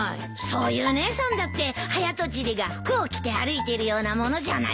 そういう姉さんだって早とちりが服を着て歩いているようなものじゃないか。